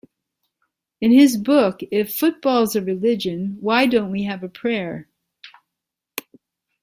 In his book If Football's a Religion, Why Don't We Have a Prayer?